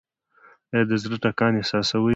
ایا د زړه ټکان احساسوئ؟